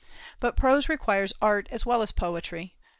But prose requires art as well as poetry.